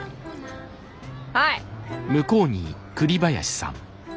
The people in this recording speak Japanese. はい！